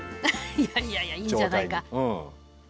いやいやいやいいんじゃないか。